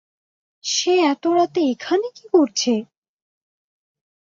সে এত রাতে এখানে কী করছে?